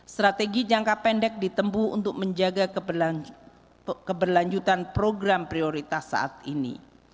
strategi jangka pendek ditempu untuk menjaga keberlanjutan program prioritas saat ini